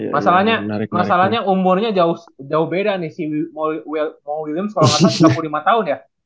masalahnya umurnya jauh beda nih si mo williams kalo gak salah tiga puluh lima tahun ya